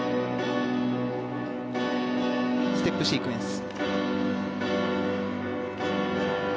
ステップシークエンス。